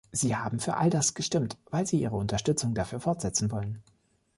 Sie haben für all das gestimmt, weil sie ihre Unterstützung dafür fortsetzen wollen.